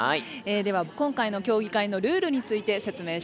では今回の競技会のルールについてせつめいします。